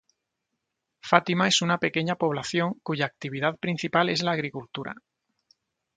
Fátima es una pequeña población, cuya actividad principal es la agricultura.